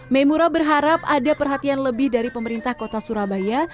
memura berharap ada perhatian lebih dari pemerintah kota surabaya